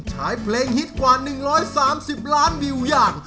ใช้เพลงฮิตกว่า๑๓๐ล้านวิวอย่าง